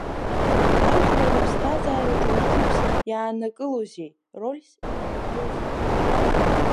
Ажәлар рыԥсҭазаараҿы уи ҭыԥс иааннакылозеи, рольс инанагӡозеи?